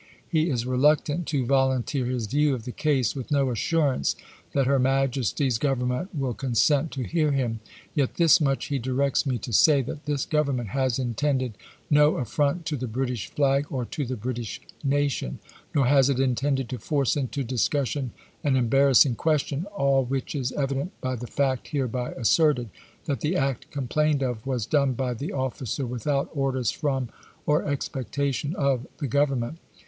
He is reluc tant to volunteer his view of the case, with no assurance that her Majesty's Government will consent to hear him; yet this much he directs me to say, that this Government has intended no affront to the British flag, or to the British nation ; nor has it intended to force into discus sion an embarrassing question, all which is evident by the fact hereby asserted, that the act complained of was done by the officer without orders from, or expectation of, the Government.